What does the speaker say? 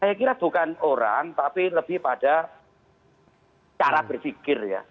saya kira bukan orang tapi lebih pada cara berpikir ya